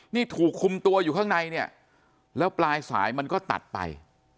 นี่ถูกคุมตัวอยู่ข้างในเนี่ยแล้วปลายสายมันก็ตัดไป